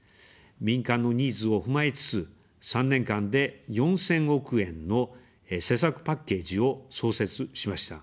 民間のニーズを踏まえつつ、３年間で４０００億円の施策パッケージを創設しました。